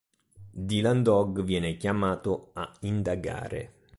Dylan Dog viene chiamato a indagare.